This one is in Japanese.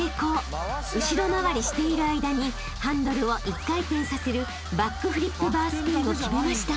［後ろ回りしている間にハンドルを１回転させるバックフリップバースピンを決めました］